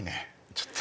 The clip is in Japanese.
ちょっと！